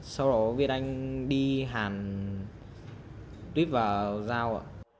sau đó việt anh đi hàn tuyết và dao